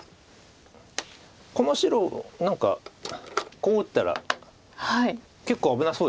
この白何かこう打ったら結構危なそうですよね。